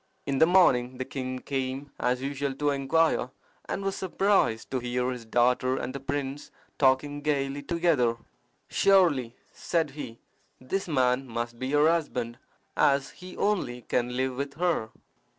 In the morning the king came as usual to inquire, and was surprised to hear his daughter and the prince talking gaily together. "Surely," said he, "this man must be her husband, as he only can live with her."